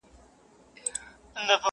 • زموږ کاروان ته د هنر سپيني ډېوې سه..